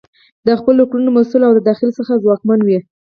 د خپلو کړنو مسؤل او د داخل څخه ځواکمن وي.